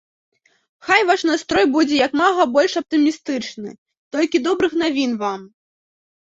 Хай ваш настрой будзе як мага больш аптымістычны, толькі добрых навін вам.